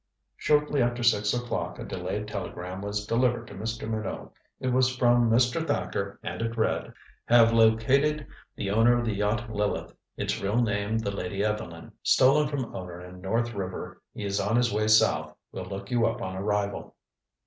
Shortly after six o'clock a delayed telegram was delivered to Mr. Minot. It was from Mr. Thacker, and it read: "Have located the owner of the yacht Lileth its real name the Lady Evelyn stolen from owner in North River he is on his way south will look you up on arrival."